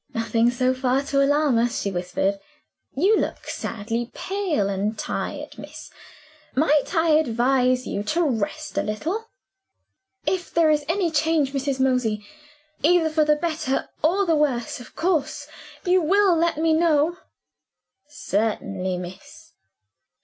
"Nothing, so far, to alarm us," she whispered. "You look sadly pale and tired, miss. Might I advise you to rest a little?" "If there is any change, Mrs. Mosey either for the better or the worse of course you will let me know?" "Certainly, miss."